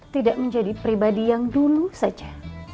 tidak menjadi pribadi yang dulu saja